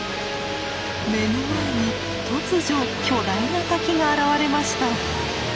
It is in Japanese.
目の前に突如巨大な滝が現れました。